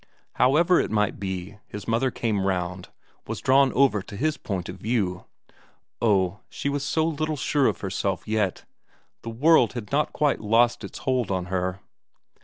However it might be, his mother came round, was drawn over to his point of view. Oh, she was so little sure of herself yet; the world had not quite lost its hold on her.